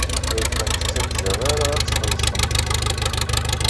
Ur kent-ttaǧǧaɣ ara ad txellṣemt.